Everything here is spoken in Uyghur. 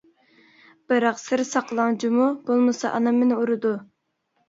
بىراق سىر ساقلاڭ جۇمۇ، بولمىسا ئانام مېنى ئۇرىدۇ.